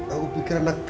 aku pikir anak tk ya